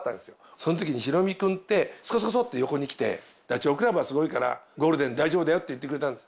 そのときにヒロミ君って、こそこそこそって横に来て、ダチョウ倶楽部はすごいから、ゴールデン大丈夫だよって言ってくれたんです。